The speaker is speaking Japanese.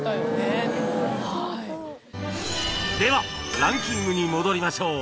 ではランキングに戻りましょう